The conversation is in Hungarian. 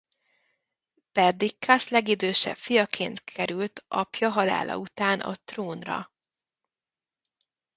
Perdikkasz legidősebb fiaként került apja halála után a trónra.